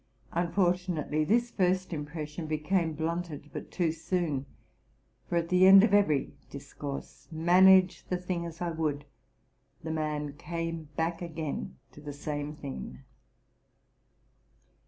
Unfortu nately this first impression became blunted but too soon ; for at the end of every discourse, manage the thing as I would, the man came back again to the same theme.